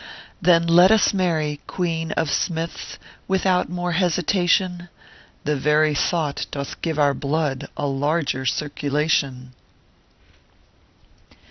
Then let us marry, Queen of Smiths, Without more hesitation; The very thought doth give our blood A larger circulation